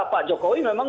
pak jokowi memang